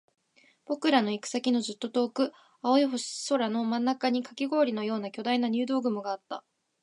僕らの行く先のずっと遠く、青い空の真ん中にカキ氷のような巨大な入道雲があった